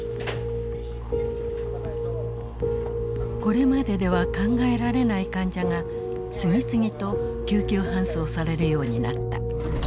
これまででは考えられない患者が次々と救急搬送されるようになった。